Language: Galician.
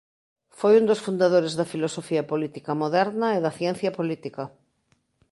Foi un dos fundadores da filosofía política moderna e da ciencia política.